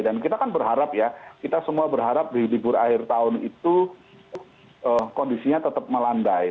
dan kita kan berharap ya kita semua berharap di libur akhir tahun itu kondisinya tetap melandai